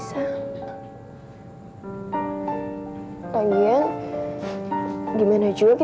saya masih masih